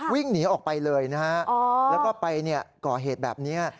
วิ่งหนีออกไปเลยนะฮะแล้วก็ไปก่อเหตุแบบนี้